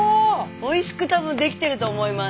おいしく多分できてると思います。